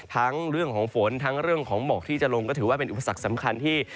เรื่องของฝนทั้งเรื่องของหมอกที่จะลงก็ถือว่าเป็นอุปสรรคสำคัญที่